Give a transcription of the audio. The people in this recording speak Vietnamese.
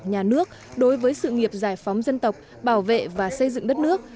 nhà nước đối với sự nghiệp giải phóng dân tộc bảo vệ và xây dựng đất nước